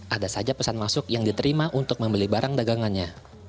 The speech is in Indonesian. ada saja pesan masuk yang diterima untuk membeli barang dagangannya